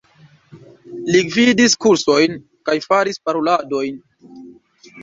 Li gvidis kursojn kaj faris paroladojn.